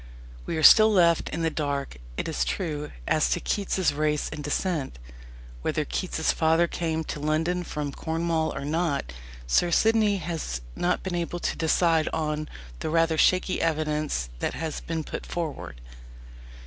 We are still left in the dark, it is true, as to Keats's race and descent. Whether Keats's father came to London from Cornwall or not, Sir Sidney has not been able to decide on the rather shaky evidence that has been put forward.